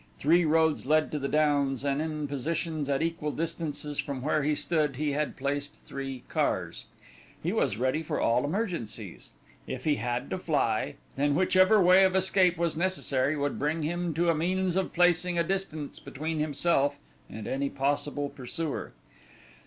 Three roads led to the downs, and in positions at equal distances from where he stood he had placed three cars. He was ready for all emergencies. If he had to fly, then whichever way of escape was necessary would bring him to a means of placing a distance between himself and any possible pursuer.